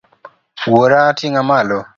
Wuora ting'a malo.